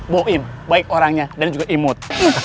boim baik orangnya dan juga imut